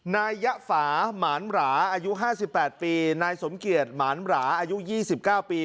นายยะฝาหมานระอายุห้าสิบแปดปีนายสมเกียจหมานระอายุยี่สิบเก้าปี